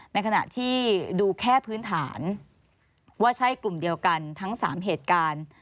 ในขณะที่ดูแค่พื้นฐานว่าใช่กลุ่มเดียวกันทั้ง๓เหตุการณ์